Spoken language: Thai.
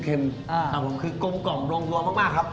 ครับผมคือกลมกล่อมรวมมากครับ